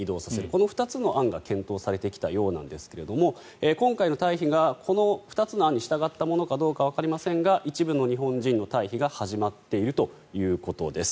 この２つの案が検討されてきたようなんですが今回の退避がこの２つの案に従ったものかどうかはわかりませんが一部の日本人の退避が始まっているということです。